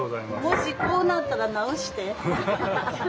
もしこうなったら直して。